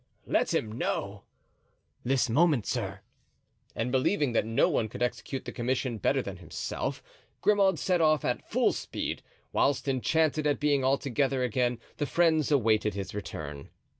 "Let him know." "This moment, sir." And believing that no one could execute the commission better than himself, Grimaud set off at full speed; whilst, enchanted at being all together again, the friends awaited his return.